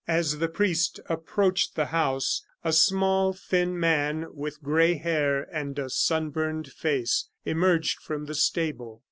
As the priest approached the house, a small, thin man, with gray hair and a sunburned face emerged from the stable.